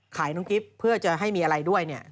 น้องกิ๊บเพื่อจะให้มีอะไรด้วยเนี่ย